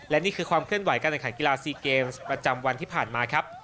และนี่คือความเคลื่อนไหวการแข่งขันกีฬาซีเกมส์ประจำวันที่ผ่านมาครับ